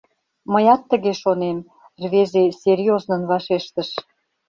— Мыят тыге шонем, — рвезе серьёзнын вашештыш.